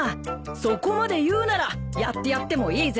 そこまで言うならやってやってもいいぜ。